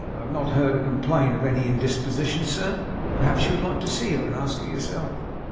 'I have not heard her complain of any indisposition, sir. Perhaps you would like to see her, and ask her yourself?